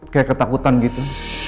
kayak ketakutan gitu